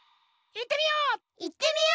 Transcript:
いってみよう！